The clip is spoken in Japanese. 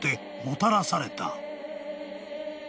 もたらされた］